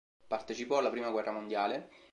Partecipò alla prima guerra mondiale.